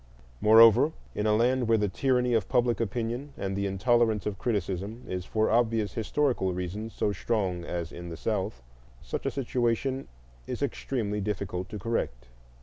Moreover, in a land where the tyranny of public opinion and the intolerance of criticism is for obvious historical reasons so strong as in the South, such a situation is extremely difficult to correct.